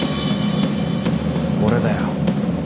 俺だよ。